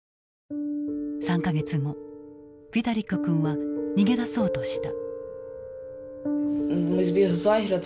３か月後ヴィタリック君は逃げ出そうとした。